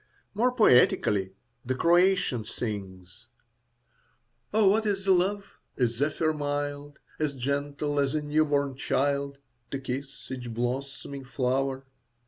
More poetically, the Croatian sings: Oh, what is love? a zephyr mild, As gentle as a new born child, To kiss each blossoming flower.